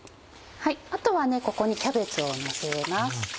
あとはここにキャベツをのせます。